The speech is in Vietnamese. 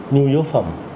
nhu yếu phẩm